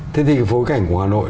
thế thì cái phối cảnh của hà nội